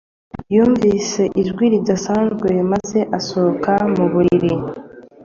Yumvise ijwi ridasanzwe maze asohoka mu buriri